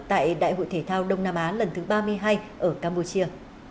tại đại hội thể thao đông nam á lần thứ ba mươi hai ở campuchia